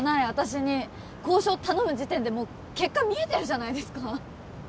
私に交渉を頼む時点でもう結果見えてるじゃないですか！